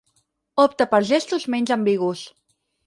Opta per gestos menys ambigus.